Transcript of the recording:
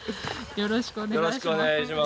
よろしくお願いします。